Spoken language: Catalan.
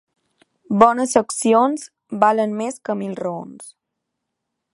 Bones accions valen més que mil raons.